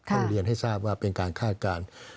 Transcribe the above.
เรียนให้ทราบว่าเป็นการคาดการณ์